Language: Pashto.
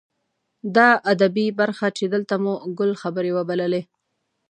دا ادبي برخه چې دلته مو ګل خبرې وبللې.